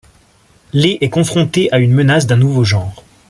Le est confronté à une menace d'un nouveau genre.